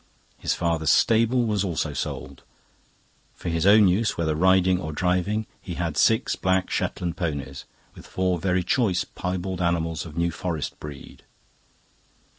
His father's stable was also sold. For his own use, whether riding or driving, he had six black Shetland ponies, with four very choice piebald animals of New Forest breed.